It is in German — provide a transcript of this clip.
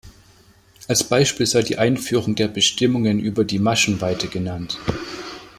Als Beispiel sei die Einführung der Bestimmungen über die Maschenweite genannt.